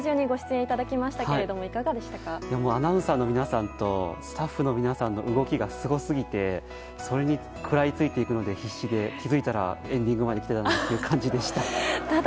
アナウンサーの皆さんとスタッフの皆さんの動きがすごすぎてそれにくらいついていくので必死で、気づいたらエンディングまで来ていた感じでした。